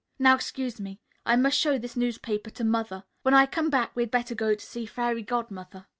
Now excuse me. I must show this newspaper to Mother. When I come back we'd better go to see Fairy Godmother."